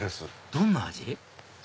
どんな味？